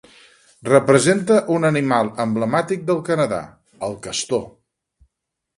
Representa un animal emblemàtic del Canadà: el castor.